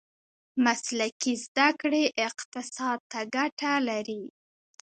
مسلکي زده کړې اقتصاد ته ګټه لري.